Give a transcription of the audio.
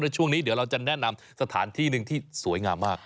ช่วงนี้เดี๋ยวเราจะแนะนำสถานที่หนึ่งที่สวยงามมาก